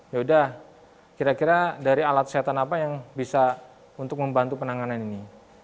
ya udah kira kira dari alat kesehatan apa yang bisa untuk membantu penanganan ini